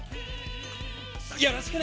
よろしくね！